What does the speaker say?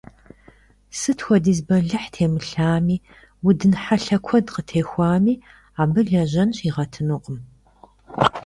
Сыт хуэдиз бэлыхь темылъами, удын хьэлъэ куэд къытехуами, абы лэжьэн щигъэтынукъым.